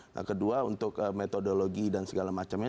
nah kedua untuk metodologi dan segala macamnya